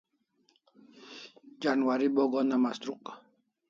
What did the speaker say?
Janwari bo ghona mastruk